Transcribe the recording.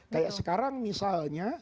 kayak sekarang misalnya